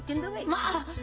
まあ！